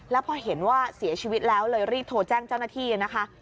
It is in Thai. แล้วพอเห็นว่าเสียชีวิตแล้วเลยรีบโทรแจ้งเจ้าหน้าที่นะคะ